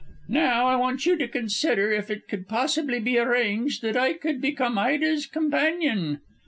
Now, I want you to consider if it could possibly be arranged that I could become Ida's companion."